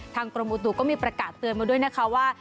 กรมอุตุก็มีประกาศเตือนมาด้วยนะคะว่า